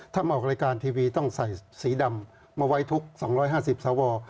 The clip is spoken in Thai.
ถ้ามาออกรายการทีวีต้องใส่สีดำมาไว้ทุก๒๕๐สว